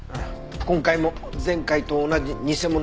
今回も前回と同じ偽物の伝票だった。